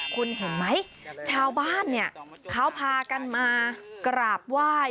คุณเห็นไหมชาวบ้านเนี่ยเขาพากันมากราบไหว้